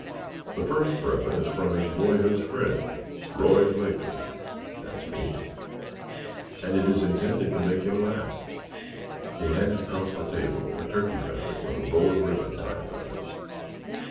"The first present is from his boyhood's friend, Roy Blakeley (that's me) and it is intended to make him laugh." He handed across the table a turkey feather with a bow of ribbon tied about it.